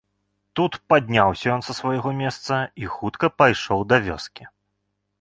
Тут падняўся ён са свайго месца і хутка пайшоў да вёскі.